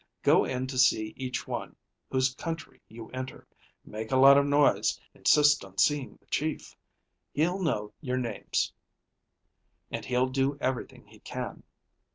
Go in to see each one whose country you enter. Make a lot of noise. Insist on seeing the chief. Hell know your names and he'll do everything he can.